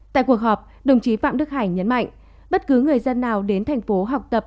tại cuộc họp đồng chí phạm đức hải nhấn mạnh bất cứ người dân nào đến thành phố học tập